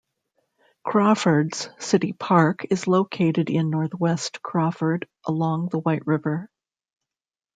Crawford's city park is located in Northwest Crawford, along the White River.